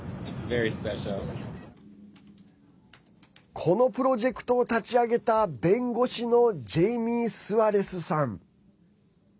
このプロジェクトを立ち上げた弁護士のジェイミー・スアレスさん。